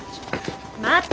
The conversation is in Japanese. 待って。